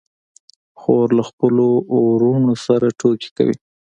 خور له خپلو وروڼو سره ټوکې کوي.